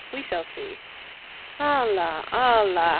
We shall see.' 'Allah Allah!